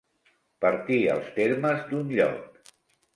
Partir els termes d'un lloc.